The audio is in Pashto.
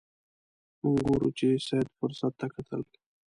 موږ ګورو چې سید فرصت ته کتل.